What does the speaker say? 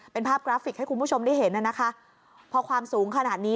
เป็นภาพกราฟิกให้คุณผู้ชมได้เห็นน่ะนะคะพอความสูงขนาดนี้